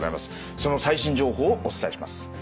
その最新情報をお伝えします。